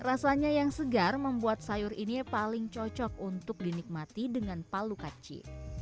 rasanya yang segar membuat sayur ini paling cocok untuk dinikmati dengan palu kaci